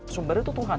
sumbernya tuh tuhan